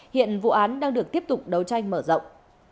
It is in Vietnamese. hiện vụ án đang được tiếp tục đấu tranh mở rộng